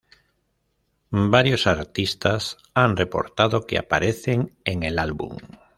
Varios artistas han reportado que aparecen en el álbum.